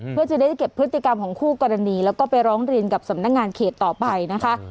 เพื่อจะได้เก็บพฤติกรรมของคู่กรณีแล้วก็ไปร้องเรียนกับสำนักงานเขตต่อไปนะคะ